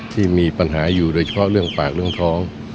ที่มีปัญหาอยู่โดยเฉพาะเรื่องปากเรื่องท้อง